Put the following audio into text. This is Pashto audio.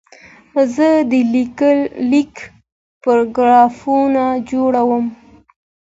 زه د لیک پاراګرافونه جوړوم.